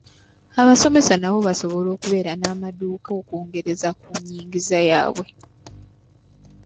Abasomesa nabo basobola okubeera n'amadduuka okwongereza ku nyingiza yabwe.